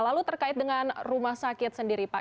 lalu terkait dengan rumah sakit sendiri pak